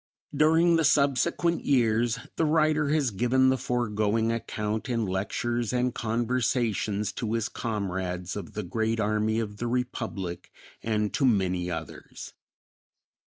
During the subsequent years the writer has given the foregoing account in lectures and conversations to his comrades of the Grand Army of the Republic and to many others.